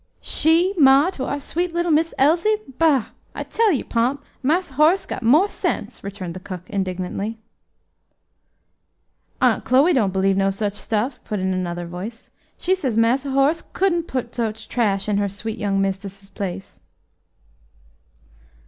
"She ma to our sweet little Miss Elsie! Bah! I tell you, Pomp, Marse Horace got more sense," returned the cook, indignantly. "Aunt Chloe don't b'lieve no such stuff," put in another voice; "she says Marse Horace couldn't put such trash in her sweet young mistis's place."